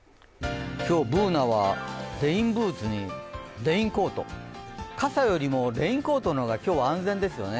今日、Ｂｏｏｎａはレインブーツにレインコート、傘よりもレインコートの方が今日は安全ですよね。